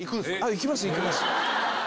いきますいきます。